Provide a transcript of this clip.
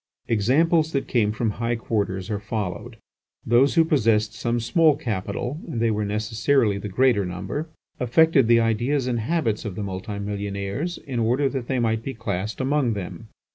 Examples that come from high quarters are followed. Those who possessed some small capital (and they were necessarily the greater number), affected the ideas and habits of the multi millionaires, in order that they might be classed among them.